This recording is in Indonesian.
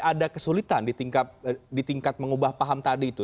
ada kesulitan di tingkat mengubah paham tadi itu